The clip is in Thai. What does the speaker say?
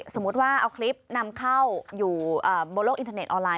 สมมุติว่าเอาคลิปนำเข้าอยู่บนโลกอินเทอร์เน็ออนไลน